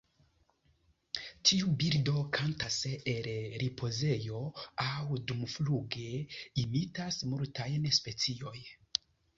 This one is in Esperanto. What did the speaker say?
Tiu birdo kantas el ripozejo aŭ dumfluge; imitas multajn speciojn.